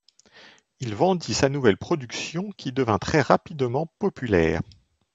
Il vendit sa nouvelle production qui devint très rapidement populaire.